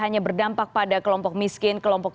hanya berdampak pada kelompok miskin kelompok